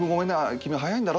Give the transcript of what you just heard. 君早いんだろ？